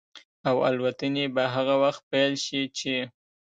او الوتنې به هغه وخت پيل شي چې